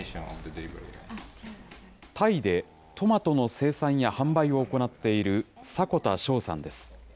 タイでトマトの生産や販売を行っている迫田昌さんです。